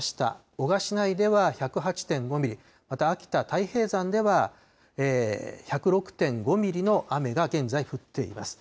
男鹿市内では１０８．５ミリ、また秋田・太平山では１０６．５ミリの雨が現在降っています。